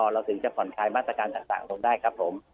เราถึงจะผ่อนคลายมาตรการต่างลงได้ครับผม